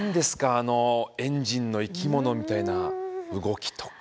あのエンジンの生き物みたいな動きとか。